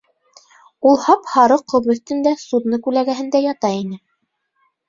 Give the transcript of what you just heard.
Ул һап-һары ҡом өҫтөндә, судно күләгәһендә ята ине.